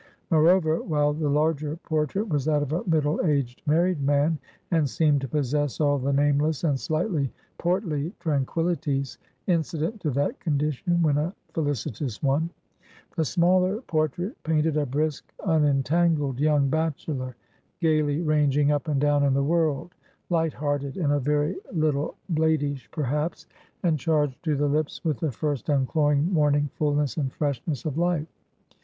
Moreover, while the larger portrait was that of a middle aged, married man, and seemed to possess all the nameless and slightly portly tranquillities, incident to that condition when a felicitous one; the smaller portrait painted a brisk, unentangled, young bachelor, gayly ranging up and down in the world; light hearted, and a very little bladish perhaps; and charged to the lips with the first uncloying morning fullness and freshness of life.